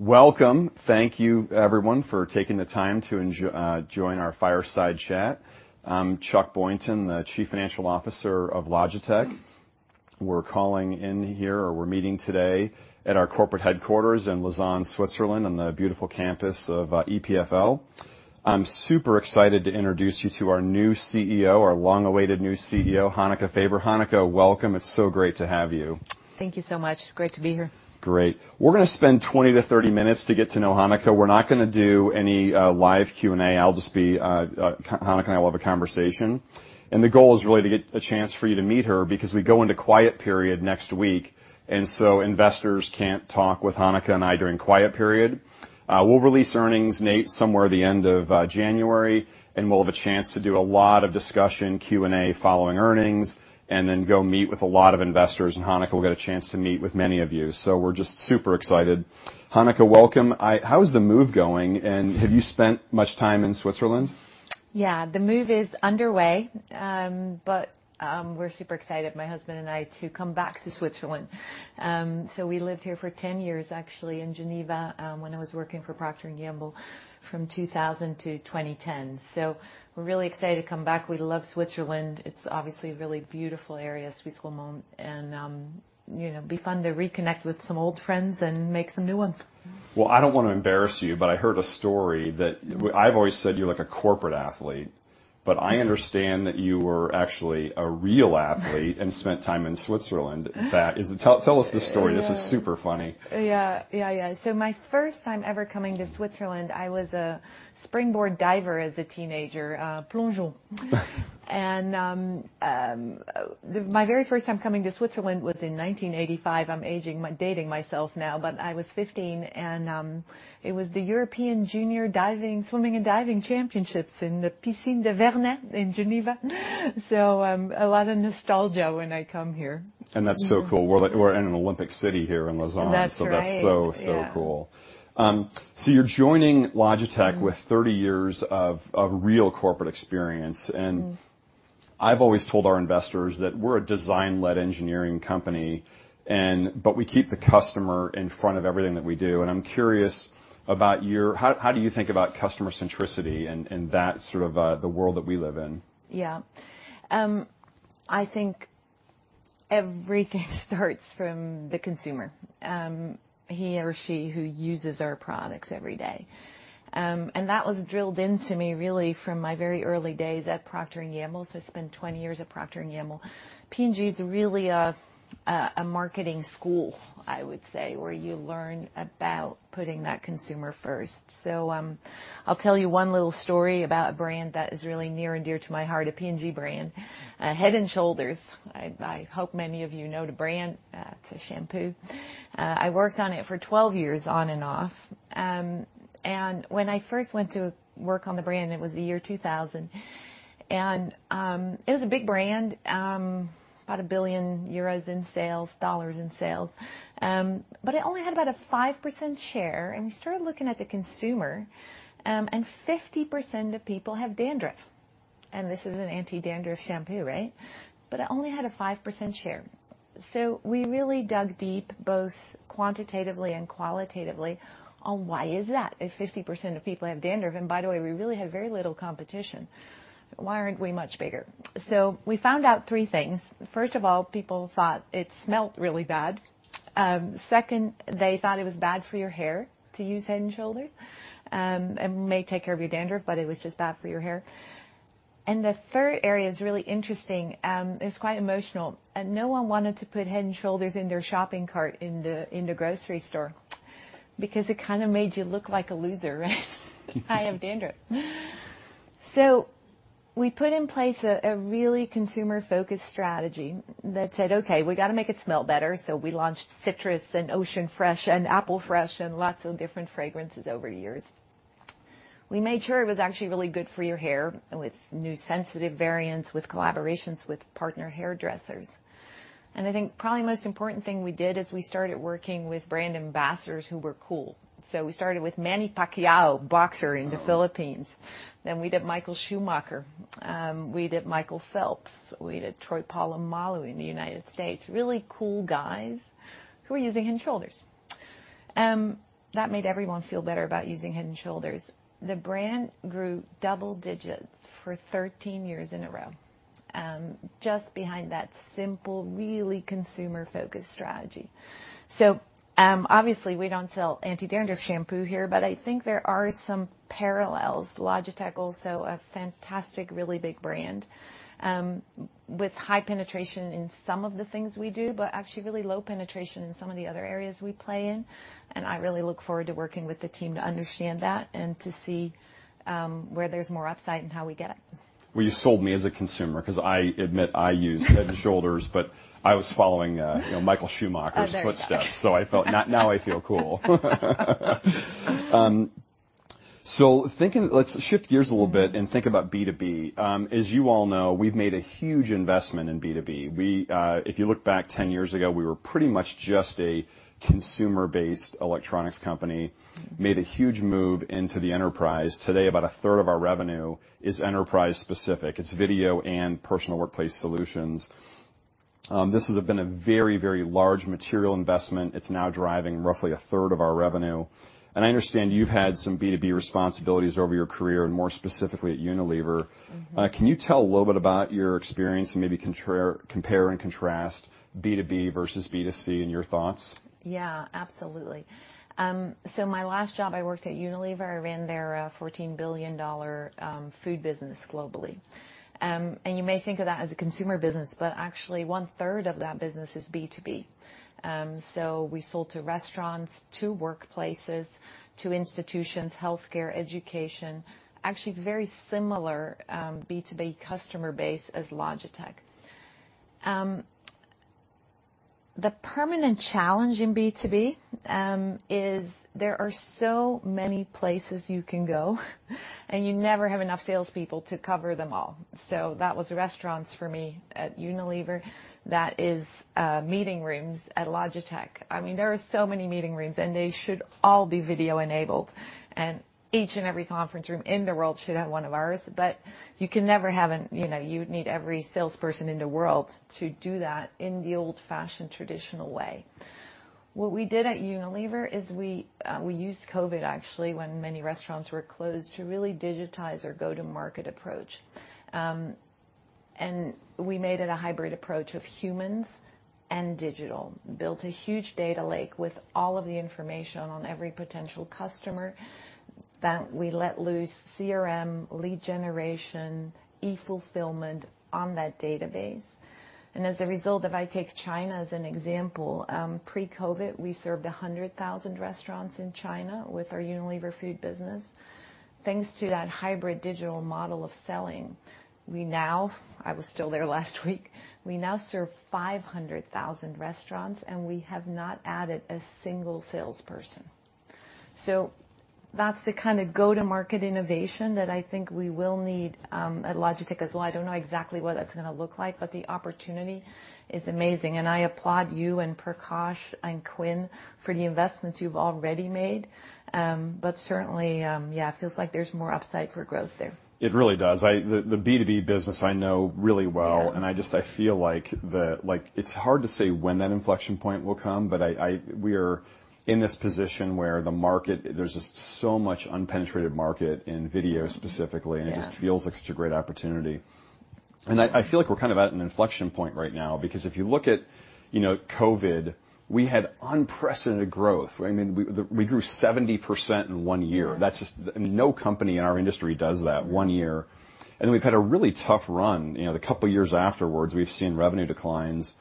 Welcome. Thank you, everyone, for taking the time to join our fireside chat. I'm Chuck Boynton, the Chief Financial Officer of Logitech. We're calling in here, or we're meeting today at our corporate headquarters in Lausanne, Switzerland, on the beautiful campus of EPFL. I'm super excited to introduce you to our new CEO, our long-awaited new CEO, Hanneke Faber. Hanneke, welcome. It's so great to have you. Thank you so much. It's great to be here. Great. We're gonna spend 20-30 minutes to get to know Hanneke. We're not gonna do any live Q&A. I'll just be, Hanneke and I will have a conversation, and the goal is really to get a chance for you to meet her because we go into quiet period next week, and so investors can't talk with Hanneke and I during quiet period. We'll release earnings, Nate, somewhere at the end of January, and we'll have a chance to do a lot of discussion, Q&A, following earnings, and then go meet with a lot of investors, and Hanneke will get a chance to meet with many of you. So we're just super excited. Hanneke, welcome. How is the move going, and have you spent much time in Switzerland? Yeah, the move is underway, but we're super excited, my husband and I, to come back to Switzerland. So we lived here for 10 years, actually, in Geneva, when I was working for Procter & Gamble from 2000 to 2010. So we're really excited to come back. We love Switzerland. It's obviously a really beautiful area, Suisse Romande, and you know, it'll be fun to reconnect with some old friends and make some new ones. Well, I don't want to embarrass you, but I heard a story that... I've always said you're like a corporate athlete, but I understand that you were actually a real athlete and spent time in Switzerland. Tell us this story. Yeah. This is super funny. Yeah. Yeah, yeah. So my first time ever coming to Switzerland, I was a springboard diver as a teenager, plongeon. And my very first time coming to Switzerland was in 1985. I'm aging myself, dating myself now, but I was 15, and it was the European Junior Diving, Swimming and Diving Championships in the Piscine des Vernets in Geneva. So a lot of nostalgia when I come here. That's so cool. We're in an Olympic city here in Lausanne. That's right. That's so, so cool. Yeah. So you're joining Logitech with 30 years of real corporate experience, and- Mm. I've always told our investors that we're a design-led engineering company, and, but we keep the customer in front of everything that we do. I'm curious about your... How, how do you think about customer centricity and, and that sort of, the world that we live in? Yeah. I think everything starts from the consumer, he or she who uses our products every day. And that was drilled into me really from my very early days at Procter & Gamble. So I spent 20 years at Procter & Gamble. P&G is really a marketing school, I would say, where you learn about putting that consumer first. So, I'll tell you one little story about a brand that is really near and dear to my heart, a P&G brand, Head & Shoulders. I hope many of you know the brand. It's a shampoo. I worked on it for 12 years, on and off. When I first went to work on the brand, it was the year 2000, and it was a big brand, about 1 billion euros in sales, dollars in sales, but it only had about a 5% share, and we started looking at the consumer, and 50% of people have dandruff, and this is an anti-dandruff shampoo, right? But it only had a 5% share. So we really dug deep, both quantitatively and qualitatively, on why is that, if 50% of people have dandruff? And by the way, we really had very little competition. Why aren't we much bigger? So we found out three things. First of all, people thought it smelled really bad. Second, they thought it was bad for your hair to use Head & Shoulders, it may take care of your dandruff, but it was just bad for your hair. And the third area is really interesting, it's quite emotional, and no one wanted to put Head & Shoulders in their shopping cart in the grocery store because it kind of made you look like a loser, right? I have dandruff. So we put in place a really consumer-focused strategy that said, "Okay, we got to make it smell better." So we launched Citrus and Ocean Fresh and Apple Fresh and lots of different fragrances over the years. We made sure it was actually really good for your hair with new sensitive variants, with collaborations with partner hairdressers. I think probably the most important thing we did is we started working with brand ambassadors who were cool. We started with Manny Pacquiao, boxer in the Philippines. Oh. Then we did Michael Schumacher, we did Michael Phelps, we did Troy Polamalu in the United States. Really cool guys who were using Head & Shoulders. That made everyone feel better about using Head & Shoulders. The brand grew double digits for 13 years in a row, just behind that simple, really consumer-focused strategy. So, obviously, we don't sell anti-dandruff shampoo here, but I think there are some parallels. Logitech also a fantastic, really big brand, with high penetration in some of the things we do, but actually really low penetration in some of the other areas we play in. And I really look forward to working with the team to understand that and to see, where there's more upside and how we get it. Well, you sold me as a consumer 'cause I admit I use Head & Shoulders, but I was following, you know, Michael Schumacher's- Oh, very good. so I felt... Now, now I feel cool. So, thinking—let's shift gears a little bit and think about B2B. As you all know, we've made a huge investment in B2B. We, if you look back 10 years ago, we were pretty much just a consumer-based electronics company, made a huge move into the enterprise. Today, about a third of our revenue is enterprise-specific. It's video and personal workplace solutions.... This has been a very, very large material investment. It's now driving roughly a third of our revenue, and I understand you've had some B2B responsibilities over your career, and more specifically at Unilever. Mm-hmm. Can you tell a little bit about your experience and maybe compare and contrast B2B versus B2C in your thoughts? Yeah, absolutely. So my last job, I worked at Unilever. I ran their $14 billion food business globally. And you may think of that as a consumer business, but actually, one-third of that business is B2B. So we sold to restaurants, to workplaces, to institutions, healthcare, education, actually, very similar B2B customer base as Logitech. The permanent challenge in B2B is there are so many places you can go, and you never have enough salespeople to cover them all. So that was restaurants for me at Unilever. That is meeting rooms at Logitech. I mean, there are so many meeting rooms, and they should all be video-enabled, and each and every conference room in the world should have one of ours, but you can never have an... You know, you'd need every salesperson in the world to do that in the old-fashioned, traditional way. What we did at Unilever is we, we used COVID, actually, when many restaurants were closed, to really digitize our go-to-market approach. And we made it a hybrid approach of humans and digital, built a huge data lake with all of the information on every potential customer, that we let loose CRM, lead generation, e-fulfillment on that database. And as a result, if I take China as an example, pre-COVID, we served 100,000 restaurants in China with our Unilever food business. Thanks to that hybrid digital model of selling, we now, I was still there last week, we now serve 500,000 restaurants, and we have not added a single salesperson. So that's the kind of go-to-market innovation that I think we will need at Logitech as well. I don't know exactly what that's gonna look like, but the opportunity is amazing, and I applaud you and Prakash and Quinn for the investments you've already made. But certainly, yeah, it feels like there's more upside for growth there. It really does. The B2B business, I know really well. Yeah. I just feel like, like, it's hard to say when that inflection point will come, but we are in this position where the market, there's just so much unpenetrated market in video specifically- Yeah ...and it just feels like such a great opportunity. And I feel like we're kind of at an inflection point right now, because if you look at, you know, COVID, we had unprecedented growth. I mean, we grew 70% in one year. Yeah. That's just no company in our industry does that, one year. And we've had a really tough run. You know, the couple of years afterwards, we've seen revenue declines.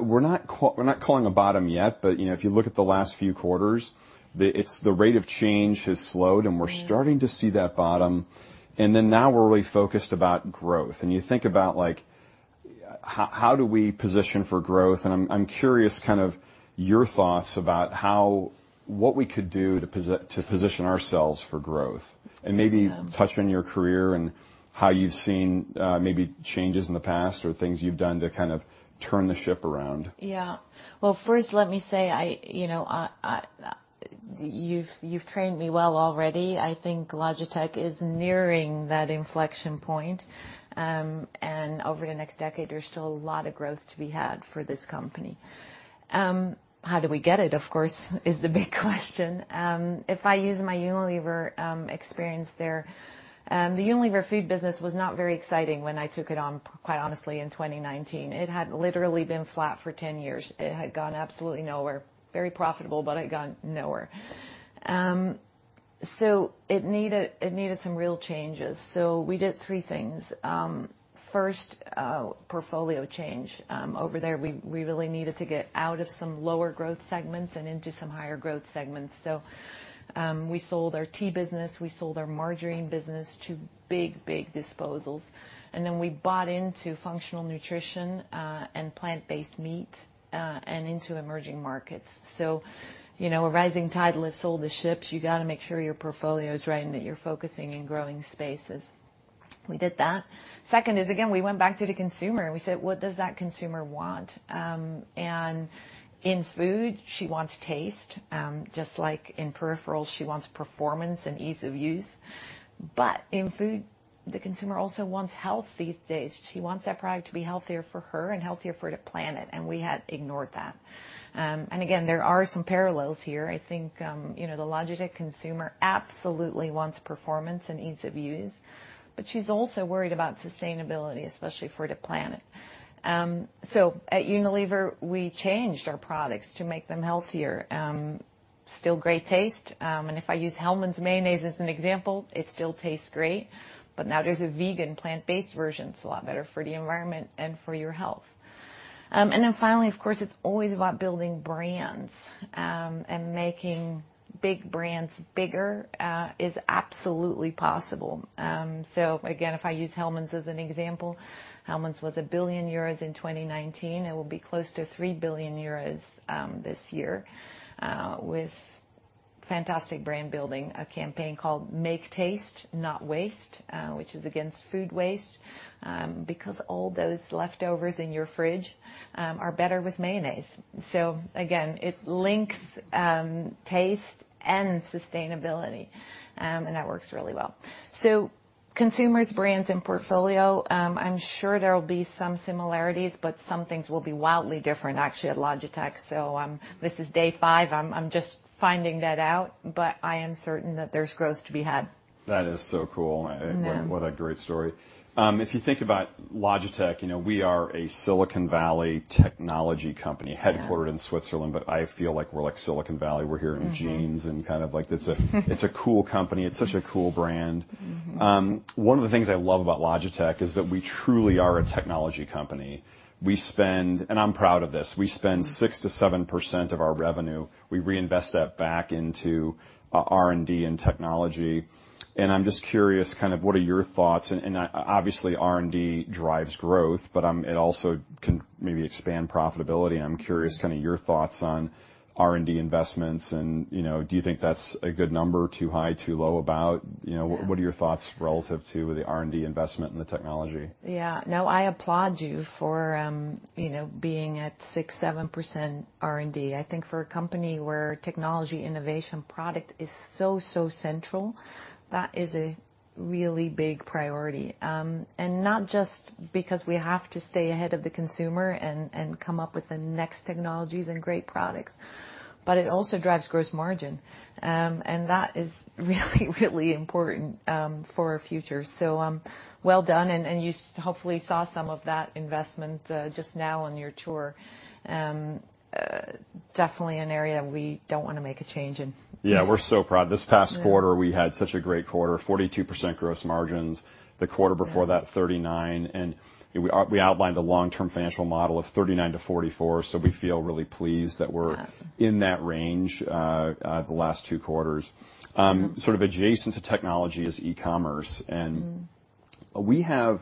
We're not calling a bottom yet, but, you know, if you look at the last few quarters, the rate of change has slowed- Yeah ...and we're starting to see that bottom, and then now we're really focused about growth. And you think about, like, how do we position for growth? And I'm curious, kind of, your thoughts about how, what we could do to position ourselves for growth. Yeah. Maybe touch on your career and how you've seen, maybe changes in the past or things you've done to kind of turn the ship around. Yeah. Well, first, let me say, I, you know, you've trained me well already. I think Logitech is nearing that inflection point, and over the next decade, there's still a lot of growth to be had for this company. How do we get it, of course, is the big question. If I use my Unilever experience there, the Unilever food business was not very exciting when I took it on, quite honestly, in 2019. It had literally been flat for 10 years. It had gone absolutely nowhere. Very profitable, but it had gone nowhere. So it needed some real changes. So we did three things. First, portfolio change. Over there, we really needed to get out of some lower growth segments and into some higher growth segments. So, we sold our tea business, we sold our margarine business, two big, big disposals, and then we bought into functional nutrition, and plant-based meat, and into emerging markets. So, you know, a rising tide lifts all the ships. You got to make sure your portfolio is right and that you're focusing in growing spaces. We did that. Second is, again, we went back to the consumer, and we said: "What does that consumer want?" And in food, she wants taste, just like in peripherals, she wants performance and ease of use. But in food, the consumer also wants health these days. She wants that product to be healthier for her and healthier for the planet, and we had ignored that. And again, there are some parallels here. I think, you know, the Logitech consumer absolutely wants performance and ease of use, but she's also worried about sustainability, especially for the planet. So at Unilever, we changed our products to make them healthier. Still great taste, and if I use Hellmann's mayonnaise as an example, it still tastes great, but now there's a vegan plant-based version. It's a lot better for the environment and for your health. And then finally, of course, it's always about building brands, and making big brands bigger, is absolutely possible. So again, if I use Hellmann's as an example, Hellmann's was 1 billion euros in 2019. It will be close to 3 billion euros this year, with fantastic brand building, a campaign called Make Taste, Not Waste, which is against food waste, because all those leftovers in your fridge are better with mayonnaise. So again, it links taste and sustainability, and that works really well. So consumers, brands, and portfolio, I'm sure there will be some similarities, but some things will be wildly different, actually, at Logitech. So this is day five. I'm just finding that out, but I am certain that there's growth to be had. That is so cool. Yeah. What a great story. If you think about Logitech, you know, we are a Silicon Valley technology company- Yeah. headquartered in Switzerland, but I feel like we're like Silicon Valley. We're here- Mm-hmm in jeans, and kind of like it's a cool company. It's such a cool brand. Mm-hmm. One of the things I love about Logitech is that we truly are a technology company. We spend, and I'm proud of this, we spend 6%-7% of our revenue, we reinvest that back into R&D and technology. And I'm just curious, kind of, what are your thoughts? And, obviously, R&D drives growth, but it also can maybe expand profitability. I'm curious, kind of your thoughts on R&D investments and, you know, do you think that's a good number? Too high, too low, about... You know- Yeah. What are your thoughts relative to the R&D investment in the technology? Yeah. No, I applaud you for, you know, being at 6%-7% R&D. I think for a company where technology innovation product is so, so central, that is a really big priority. And not just because we have to stay ahead of the consumer and come up with the next technologies and great products, but it also drives gross margin. And that is really, really important for our future. So, well done, and you hopefully saw some of that investment just now on your tour. Definitely an area we don't want to make a change in. Yeah, we're so proud. Yeah. This past quarter, we had such a great quarter, 42% gross margins. The quarter before that- Yeah 39%, and we outlined a long-term financial model of 39-44%. So we feel really pleased that we're- Yeah in that range, the last two quarters. Mm-hmm. Sort of adjacent to technology is e-commerce. Mm-hmm.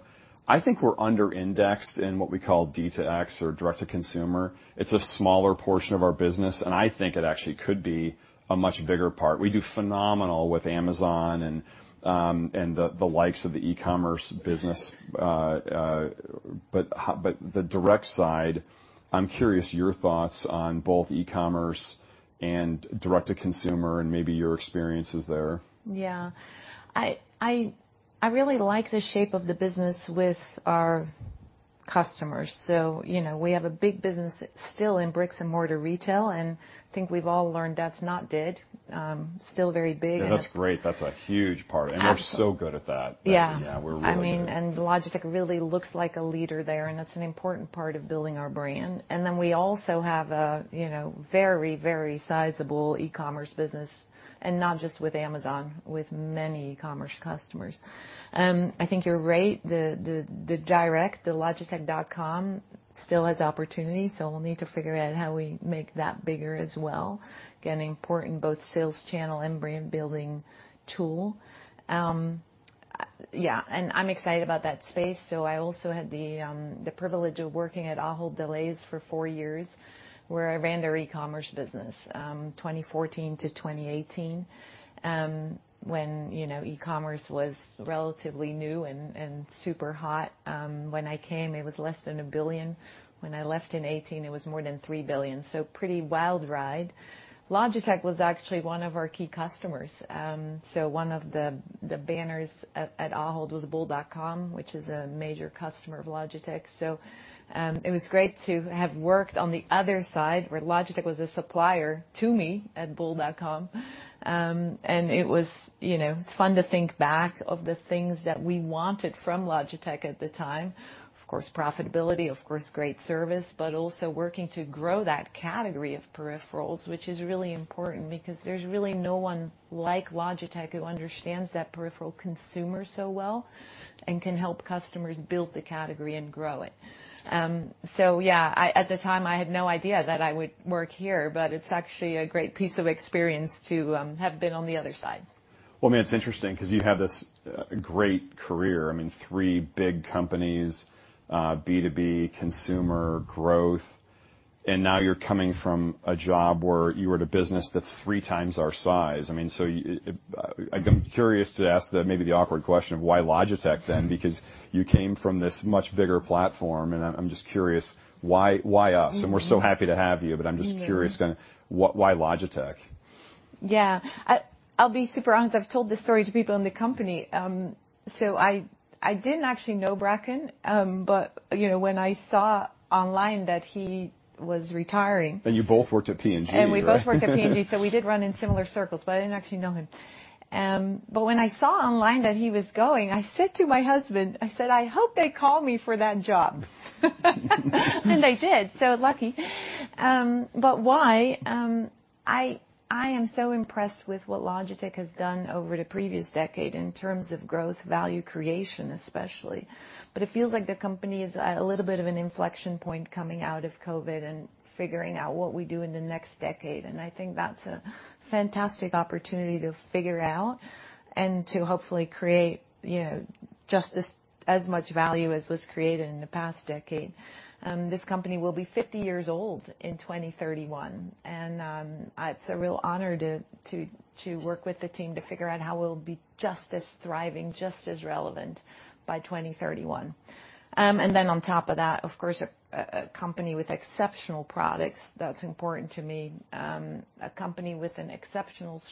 I think we're under indexed in what we call D2X or direct-to-consumer. It's a smaller portion of our business, and I think it actually could be a much bigger part. We do phenomenal with Amazon and the likes of the e-commerce business, but the direct side, I'm curious your thoughts on both e-commerce and direct-to-consumer, and maybe your experiences there. Yeah. I really like the shape of the business with our customers. So, you know, we have a big business still in bricks-and-mortar retail, and I think we've all learned that's not dead. Still very big, and- Yeah, that's great. That's a huge part. Absolutely. We're so good at that. Yeah. Yeah, we're really good. I mean, and Logitech really looks like a leader there, and that's an important part of building our brand. And then we also have a, you know, very, very sizable e-commerce business, and not just with Amazon, with many commerce customers. I think you're right, the, the, the direct, the logitech.com still has opportunities, so we'll need to figure out how we make that bigger as well. Again, important both sales channel and brand building tool. Yeah, and I'm excited about that space. So I also had the privilege of working at Ahold Delhaize for four years, where I ran their e-commerce business, 2014 to 2018. When, you know, e-commerce was relatively new and super hot. When I came, it was less than 1 billion. When I left in 2018, it was more than 3 billion, so pretty wild ride. Logitech was actually one of our key customers. So one of the banners at Ahold was bol.com, which is a major customer of Logitech. So it was great to have worked on the other side, where Logitech was a supplier to me at bol.com. And it was, you know, it's fun to think back of the things that we wanted from Logitech at the time. Of course, profitability, of course, great service, but also working to grow that category of peripherals, which is really important because there's really no one like Logitech who understands that peripheral consumer so well and can help customers build the category and grow it. So yeah, at the time, I had no idea that I would work here, but it's actually a great piece of experience to have been on the other side. Well, I mean, it's interesting because you have this great career. I mean, three big companies, B2B, consumer, growth, and now you're coming from a job where you were at a business that's three times our size. I mean, so I'm curious to ask maybe the awkward question, why Logitech then? Because you came from this much bigger platform, and I'm just curious, why us? Mm-hmm. And we're so happy to have you, but I'm just curious- Mm-hmm... kinda, why, why Logitech? Yeah. I'll be super honest. I've told this story to people in the company. So I didn't actually know Bracken, but, you know, when I saw online that he was retiring- You both worked at P&G, right? We both worked at P&G, so we did run in similar circles, but I didn't actually know him. But when I saw online that he was going, I said to my husband, I said: "I hope they call me for that job." They did, so lucky. But why? I am so impressed with what Logitech has done over the previous decade in terms of growth, value creation, especially. But it feels like the company is at a little bit of an inflection point coming out of COVID and figuring out what we do in the next decade, and I think that's a fantastic opportunity to figure out and to hopefully create, you know, just as much value as was created in the past decade. This company will be 50 years old in 2031, and it's a real honor to work with the team to figure out how we'll be just as thriving, just as relevant by 2031. And then on top of that, of course, a company with exceptional products. That's important to me. A company with an exceptional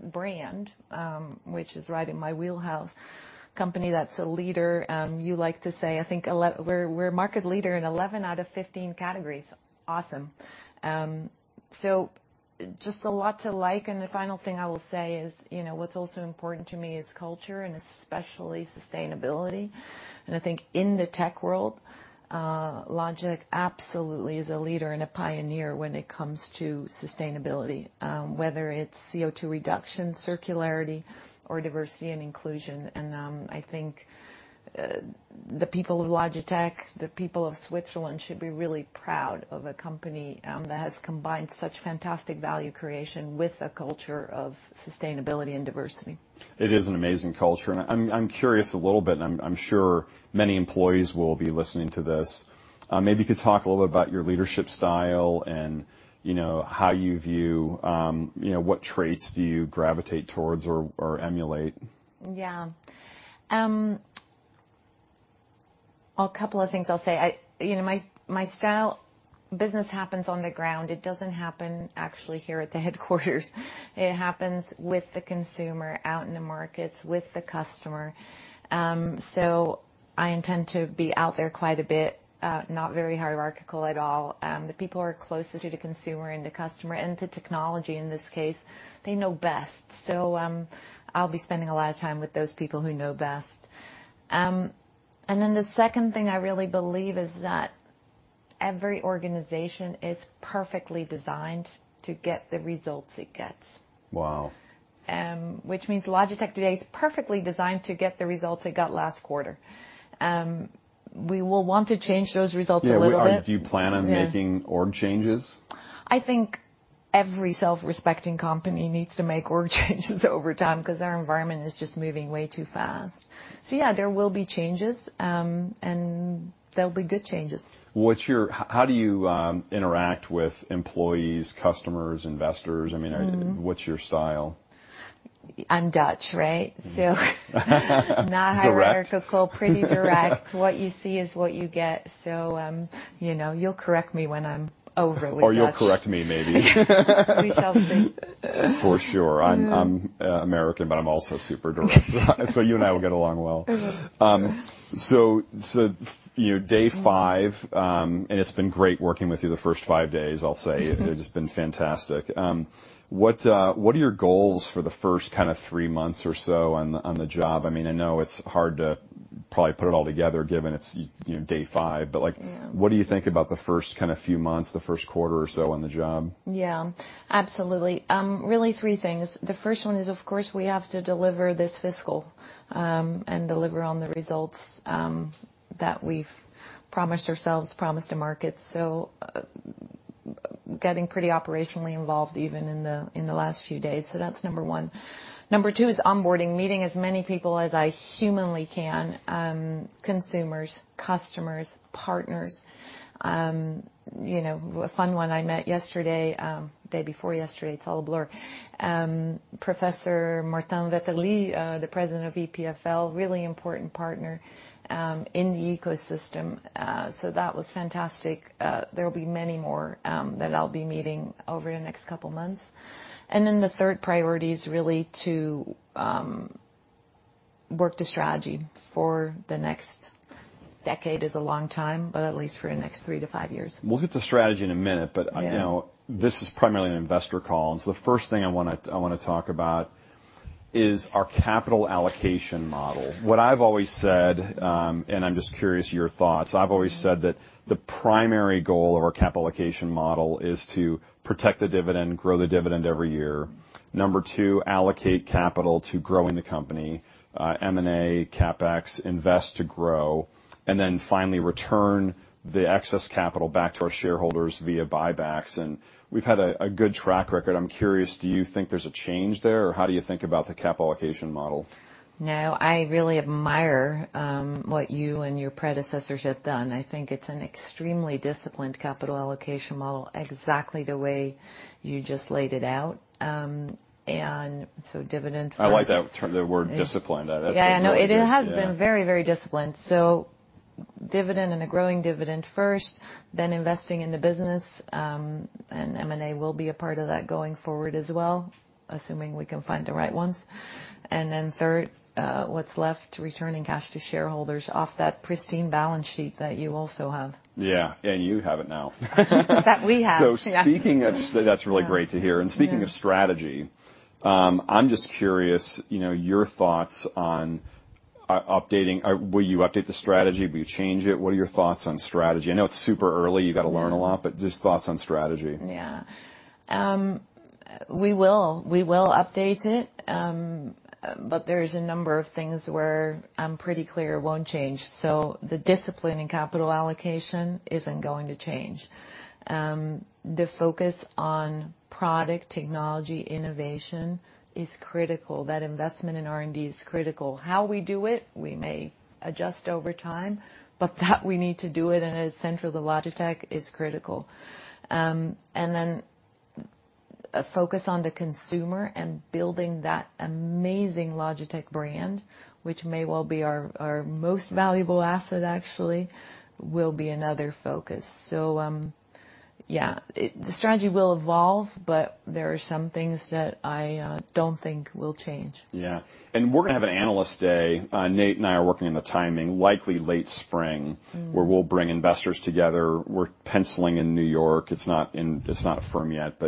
brand, which is right in my wheelhouse. Company that's a leader, you like to say, I think we're market leader in 11 out of 15 categories. Awesome. So just a lot to like. And the final thing I will say is, you know, what's also important to me is culture and especially sustainability. I think in the tech world, Logitech absolutely is a leader and a pioneer when it comes to sustainability, whether it's CO2 reduction, circularity, or diversity and inclusion. I think the people of Logitech, the people of Switzerland, should be really proud of a company that has combined such fantastic value creation with a culture of sustainability and diversity. It is an amazing culture, and I'm curious a little bit, and I'm sure many employees will be listening to this. Maybe you could talk a little bit about your leadership style and, you know, how you view... You know, what traits do you gravitate towards or emulate? Yeah. A couple of things I'll say. You know, my, my style business happens on the ground. It doesn't happen actually here at the headquarters. It happens with the consumer, out in the markets, with the customer. So I intend to be out there quite a bit, not very hierarchical at all. The people who are closest to the consumer and the customer and to technology, in this case, they know best. So, I'll be spending a lot of time with those people who know best. And then the second thing I really believe is that every organization is perfectly designed to get the results it gets. Wow! which means Logitech today is perfectly designed to get the results it got last quarter. We will want to change those results a little bit. Yeah. Do you plan on- Yeah -making org changes? I think every self-respecting company needs to make org changes over time because our environment is just moving way too fast. So yeah, there will be changes, and they'll be good changes. How do you interact with employees, customers, investors? Mm-hmm. I mean, what's your style? I'm Dutch, right? So, not hierarchical. Direct. Pretty direct. What you see is what you get. So, you know, you'll correct me when I'm overly Dutch. Or you'll correct me, maybe. We shall see. For sure. Mm. I'm American, but I'm also super direct, so you and I will get along well. Mm-hmm. So, you know, day five, and it's been great working with you the first five days, I'll say. Mm-hmm. It's just been fantastic. What are your goals for the first kind of three months or so on the job? I mean, I know it's hard to probably put it all together, given it's, you know, day five- Yeah... but, like, what do you think about the first kind of few months, the first quarter or so on the job? Yeah, absolutely. Really three things. The first one is, of course, we have to deliver this fiscal, and deliver on the results, that we've promised ourselves, promised the market. So, getting pretty operationally involved, even in the last few days. So that's number one. Number two is onboarding, meeting as many people as I humanly can, consumers, customers, partners. You know, a fun one I met yesterday, day before yesterday, it's all a blur, Professor Martin Vetterli, the president of EPFL, really important partner, in the ecosystem. So that was fantastic. There will be many more, that I'll be meeting over the next couple of months. And then the third priority is really to, work the strategy for the next... Decade is a long time, but at least for the next 3-5 years. We'll get to strategy in a minute, but- Yeah This is primarily an investor call. And so the first thing I wanna talk about is our capital allocation model. What I've always said, and I'm just curious your thoughts. Mm. I've always said that the primary goal of our capital allocation model is to protect the dividend, grow the dividend every year. Number two, allocate capital to growing the company, M&A, CapEx, invest to grow, and then finally return the excess capital back to our shareholders via buybacks. And we've had a good track record. I'm curious, do you think there's a change there, or how do you think about the capital allocation model? No, I really admire what you and your predecessors have done. I think it's an extremely disciplined capital allocation model, exactly the way you just laid it out. And so dividend first. I like that term, the word disciplined. That, that's- Yeah. I know. Yeah. It has been very, very disciplined. So dividend and a growing dividend first, then investing in the business, and M&A will be a part of that going forward as well, assuming we can find the right ones. And then third, what's left, returning cash to shareholders off that pristine balance sheet that you also have. Yeah, and you have it now. That we have. So speaking of... That's really great to hear. Yeah. Speaking of strategy, I'm just curious, you know, your thoughts on updating. Will you update the strategy? Will you change it? What are your thoughts on strategy? I know it's super early. Mm. You've got to learn a lot, but just thoughts on strategy. Yeah. We will, we will update it. But there's a number of things where I'm pretty clear won't change. So the discipline in capital allocation isn't going to change. The focus on product technology, innovation is critical. That investment in R&D is critical. How we do it, we may adjust over time, but that we need to do it and is central to Logitech, is critical. A focus on the consumer and building that amazing Logitech brand, which may well be our, our most valuable asset, actually, will be another focus. So, yeah, it, the strategy will evolve, but there are some things that I don't think will change. Yeah. We're gonna have an analyst day. Nate and I are working on the timing, likely late spring- Mm. -where we'll bring investors together. We're penciling in New York. It's not firm yet,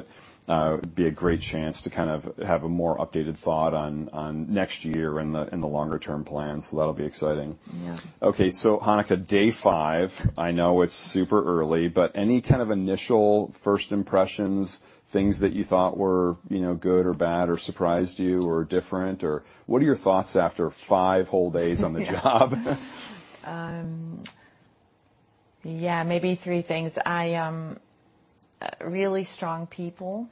but it'd be a great chance to kind of have a more updated thought on next year and the longer-term plans, so that'll be exciting. Yeah. Okay, so Hanneke, day 5, I know it's super early, but any kind of initial first impressions, things that you thought were, you know, good or bad, or surprised you, or different? Or what are your thoughts after 5 whole days on the job? Yeah, maybe 3 things. I really strong people,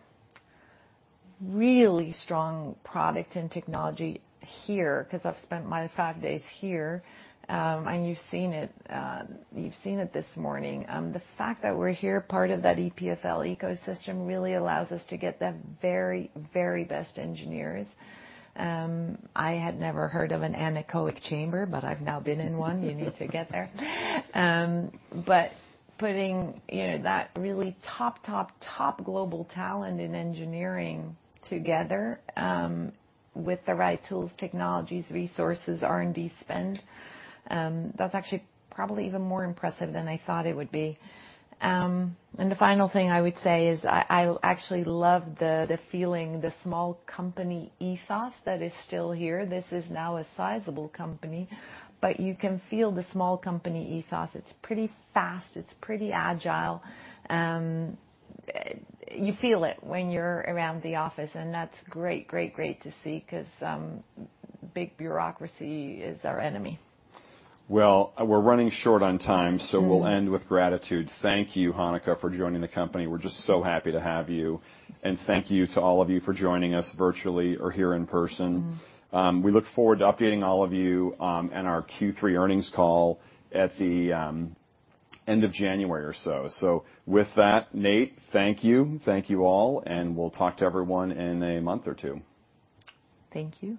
really strong product and technology here, 'cause I've spent my 5 days here. And you've seen it, you've seen it this morning. The fact that we're here, part of that EPFL ecosystem, really allows us to get the very, very best engineers. I had never heard of an anechoic chamber, but I've now been in one. You need to get there. But putting, you know, that really top, top, top global talent in engineering together, with the right tools, technologies, resources, R&D spend, that's actually probably even more impressive than I thought it would be. And the final thing I would say is I actually love the feeling, the small company ethos that is still here. This is now a sizable company, but you can feel the small company ethos. It's pretty fast, it's pretty agile. You feel it when you're around the office, and that's great, great, great to see, 'cause big bureaucracy is our enemy. Well, we're running short on time- Mm. So we'll end with gratitude. Thank you, Hanneke, for joining the company. We're just so happy to have you. Thank you. Thank you to all of you for joining us virtually or here in person. Mm. We look forward to updating all of you in our Q3 earnings call at the end of January or so. So with that, Nate, thank you. Thank you all, and we'll talk to everyone in a month or two. Thank you.